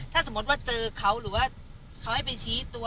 ถ้าสมมติว่าเจอเขาหรือว่าเขาให้ไปชี้ตัว